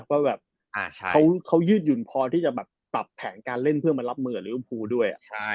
ว่าแบบเขายืดหยุ่นพอที่จะแบบตับแผนการเล่นเพื่อมารับมือด้วย